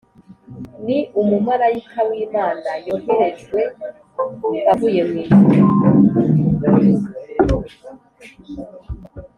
ni umumarayika w'imana yoherejwe avuye mwijuru